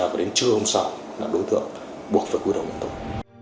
để cơ quan điều tra đến trưa hôm sau là đối tượng buộc phải cuối đầu nhận tội